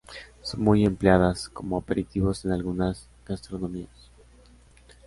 Son muy empleadas como aperitivos en algunas gastronomías.